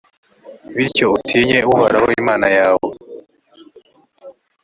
bityo utinye uhoraho imana yawe,